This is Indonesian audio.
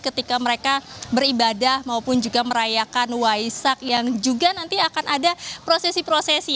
ketika mereka beribadah maupun juga merayakan waisak yang juga nanti akan ada prosesi prosesi